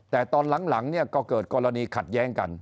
แต่ตอนหลังเนี่ยก็เกิดกรณีขัดแย้งกัน